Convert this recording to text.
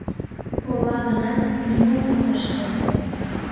Кола гынат, нимом от ыште.